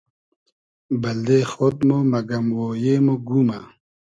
بئلدې خۉد مۉ مئگئم اویې مۉ گومۂ